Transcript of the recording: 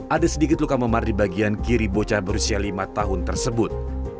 ada sedikit luka memar di bagian kiri bocah berusia lima tahun tersebut